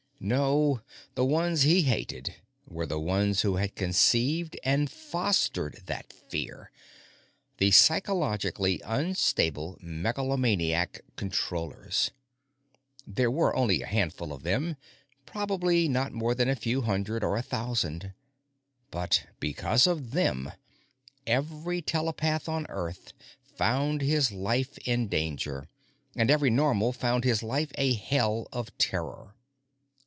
No, the ones he hated were the ones who had conceived and fostered that fear the psychologically unstable megalomaniac Controllers. There were only a handful of them probably not more than a few hundred or a thousand. But because of them, every telepath on Earth found his life in danger, and every Normal found his life a hell of terror.